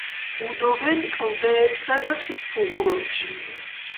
ბუდობენ კლდეებსა და ხის ფუღუროებში.